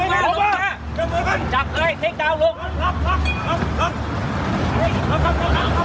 ลงจับมือกันจับมือกันจับมือกันลงมาลงมาจับมือกันจับมือกัน